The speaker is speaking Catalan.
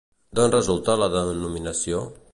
D'on resulta la denominació?